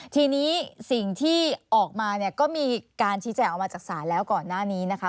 ทีนี้สิ่งที่ออกมาเนี่ยก็มีการชี้แจงออกมาจากศาลแล้วก่อนหน้านี้นะคะ